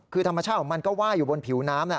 คือธรรมชาติของมันก็ว่าอยู่บนผิวน้ำ